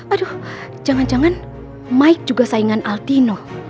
aduh jangan jangan mike juga saingan altino